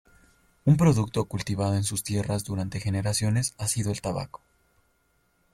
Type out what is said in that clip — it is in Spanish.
Un producto cultivado en sus tierras durante generaciones ha sido el tabaco.